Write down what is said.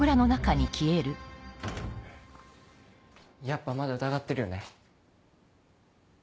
やっぱまだ疑ってるよね？